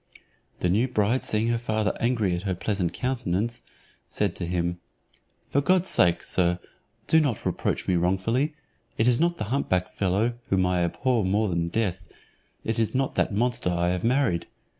The new bride seeing her father angry at her pleasant countenance, said to him, "For God's sake, sir, do not reproach me wrongfully; it is not the hump back fellow, whom I abhor more than death, it is not that monster I have married.